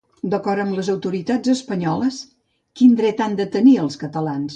D'acord amb les autoritats espanyoles, quin dret han de tenir els catalans?